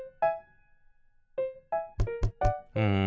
うん。